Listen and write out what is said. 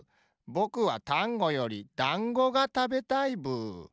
ぼくはタンゴよりだんごがたべたいブー。